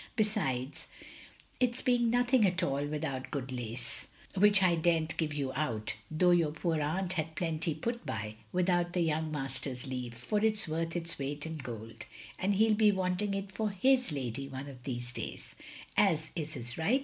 Besides it's being nothing at all without good lace — ^which I dare n*t give you out — ^though your poor atmt had plenty put by — ^without the young master's leave, for it *s worth its weight in gold; and he 'U be wanting it for his lady one of these days; as is his right.